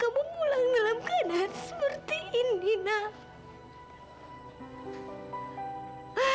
kamu pulang dalam keadaan seperti ini nak